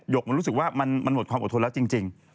กมันรู้สึกว่ามันหมดความอดทนแล้วจริง